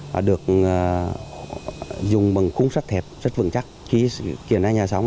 và được dùng bằng khung sắt thẹp rất vững chắc khi kiểm tra nhà sống